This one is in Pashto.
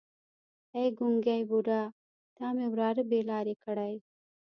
ای ګونګی بوډا تا مې وراره بې لارې کړی.